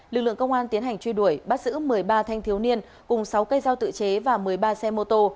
lực lượng công an tiến hành truy đuổi bắt giữ một mươi ba thanh thiếu niên cùng sáu cây dao tự chế và một mươi ba xe mô tô